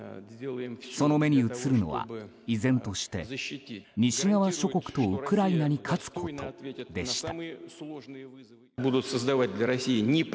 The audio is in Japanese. その目に映るのは依然として西側諸国とウクライナに勝つことでした。